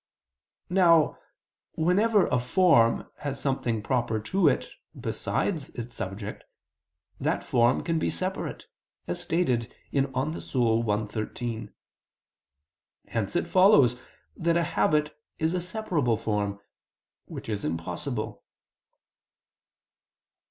Now whenever a form has something proper to it besides its subject, that form can be separate, as stated in De Anima i, text. 13. Hence it follows that a habit is a separable form; which is impossible.